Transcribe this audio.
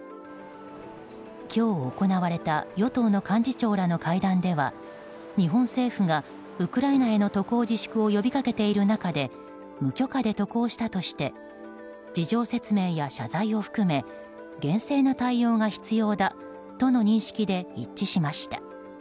今日行われた与党の幹事長らの会談では日本政府がウクライナへの渡航自粛を呼びかけている中で無許可で渡航したとして事情説明や謝罪を含め厳正な対応が必要だとの認識で一致しました。